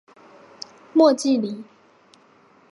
莫济里。